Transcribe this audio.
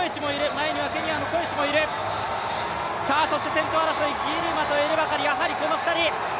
先頭争い、ギルマとエルバカリ、やはりこの２人。